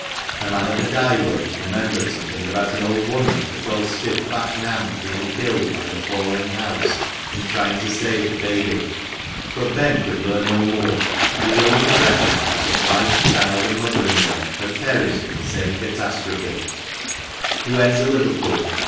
A man at the dye works remembered something about an old woman they called stiff backed Nan being killed by the falling house in trying to save a baby ; but Ben could learn no more, and his own impression was that wife, child, and mother in law had perished in the same catastrophe, He went to Liverpool.